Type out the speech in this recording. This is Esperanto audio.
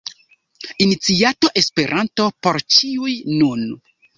Iniciato Esperanto por ĉiuj – nun!